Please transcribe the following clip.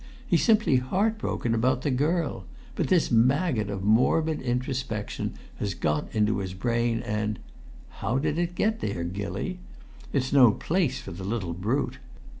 He's simply heartbroken about the girl. But this maggot of morbid introspection has got into his brain and how did it get there, Gilly? It's no place for the little brute.